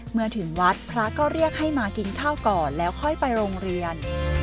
เมื่อถึงวัดพระก็เรียกให้มากินข้าวก่อนแล้วค่อยไปโรงเรียน